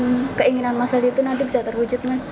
tapi apakah keinginan mas lagi itu nanti bisa terwujud mas